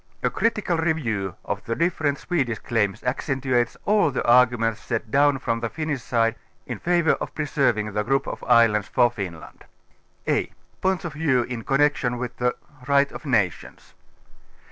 A critical review of the different Swedish claims accentuates all the arguments set down from the Finnish ┬½ide in favour of j)reserving the group of islands for Finland. a) V oints of Vieiv in Connection with the Right of No tions.